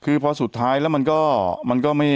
แต่หนูจะเอากับน้องเขามาแต่ว่า